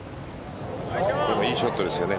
いいショットですよね